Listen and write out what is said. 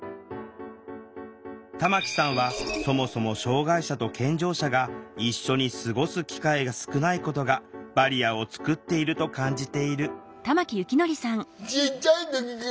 玉木さんはそもそも障害者と健常者が一緒に過ごす機会が少ないことがバリアを作っていると感じている